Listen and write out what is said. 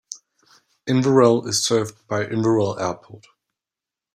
Inverell is served by Inverell Airport.